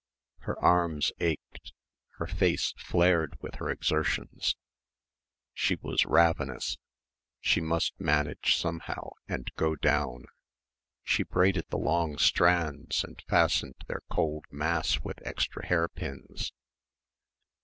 Her arms ached; her face flared with her exertions. She was ravenous she must manage somehow and go down. She braided the long strands and fastened their cold mass with extra hairpins.